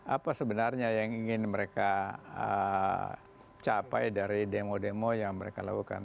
apa sebenarnya yang ingin mereka capai dari demo demo yang mereka lakukan